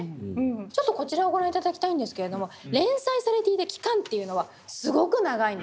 ちょっとこちらをご覧頂きたいんですけれども連載されていた期間というのはすごく長いんですね。